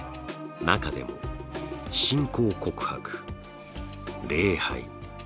中でも信仰告白礼拝